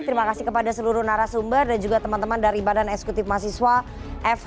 terima kasih kepada seluruh narasumber dan juga teman teman dari badan eksekutif mahasiswa